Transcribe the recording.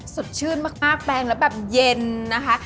สดชื่นมากแปลงแล้วแบบเย็นนะคะ